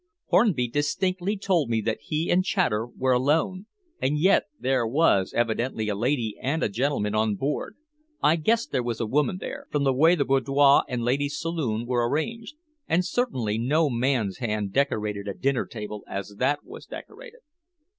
Hornby distinctly told me that he and Chater were alone, and yet there was evidently a lady and a gentleman on board. I guessed there was a woman there, from the way the boudoir and ladies' saloon were arranged, and certainly no man's hand decorated a dinner table as that was decorated."